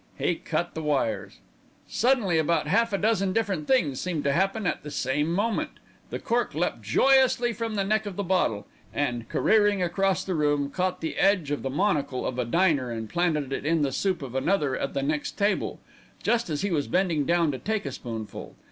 He cut the wires. Suddenly about half a dozen different things seemed to happen at the same moment. The cork leapt joyously from the neck of the bottle and, careering across the room, caught the edge of the monocle of a diner and planted it in the soup of another at the next table, just as he was bending down to take a spoonful.